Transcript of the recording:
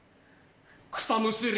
草むしり。